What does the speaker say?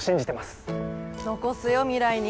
残すよ未来に。